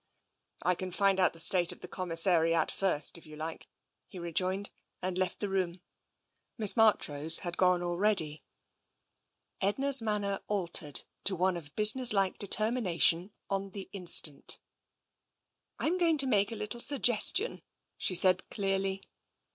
" I can find out the state of the commissariat first, if you like," he rejoined, and left the room. Miss Marchrose had gone already. Edna's manner altered to one of businesslike deter mination on the instant. " Tm going to make a little suggestion," she said clearly.